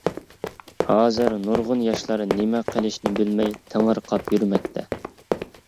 ھازىر نۇرغۇن ياشلار نېمە قىلىشنى بىلمەي تېڭىرقاپ يۈرمەكتە.